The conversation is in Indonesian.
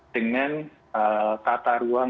dengan kata ruang